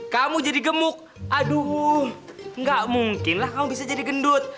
kamu jadi gemuk aduh gak mungkin lah kamu bisa jadi gendut